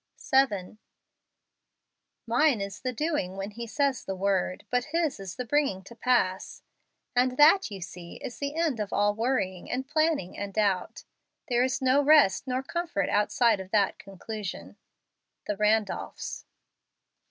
JANUARY. 7 7. Mine is the doing when He says the word, but His is the bringing to pass. And that, you see, is the end of all worrying and planning and doubt. There is no rest nor comfort outside of that conclusion. The Randolphs.